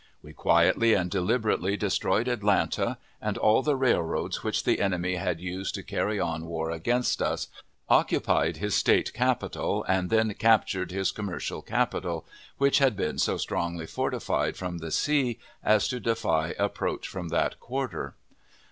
We quietly and deliberately destroyed Atlanta, and all the railroads which the enemy had used to carry on war against us, occupied his State capital, and then captured his commercial capital, which had been so strongly fortified from the sea as to defy approach from that quarter.